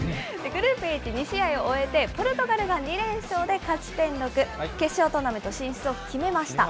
グループＨ、２試合を終えて、ポルトガルが２連勝で勝ち点６、決勝トーナメント進出を決めました。